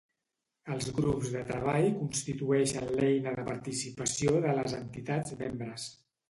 Els Grups de Treball constitueixen l'eina de participació de les entitats membres.